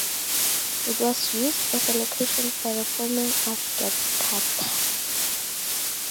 It was used as a location for the filming of "Get Carter".